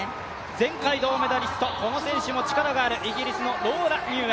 前回銅メダリスト、この選手も力がある、イギリスのローラ・ミューア。